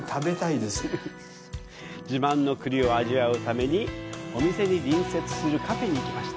自慢の栗を味わうために、お店に隣接するカフェに行きました。